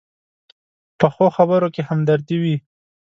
پخو خبرو کې همدردي وي